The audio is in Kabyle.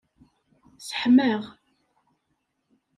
Sseḥmaɣ.